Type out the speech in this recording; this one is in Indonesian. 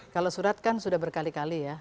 kalau surat kan sudah berkali kali ya